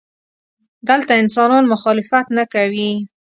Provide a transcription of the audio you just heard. دلته انسانان مخالفت نه کوي.